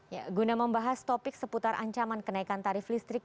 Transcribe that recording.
ya guna membahas topik seputar ancaman kenaikan tarif listrik